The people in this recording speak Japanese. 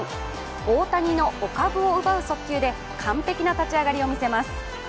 大谷のお株を奪う速球で完璧な立ち上がりを見せます。